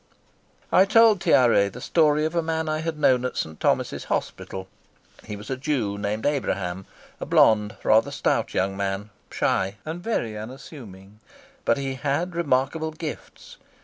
I told Tiare the story of a man I had known at St. Thomas's Hospital. He was a Jew named Abraham, a blond, rather stout young man, shy and very unassuming; but he had remarkable gifts.